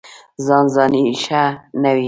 ځان ځاني ښه نه وي.